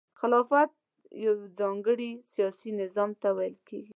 خلافت یو ځانګړي سیاسي نظام ته ویل کیږي.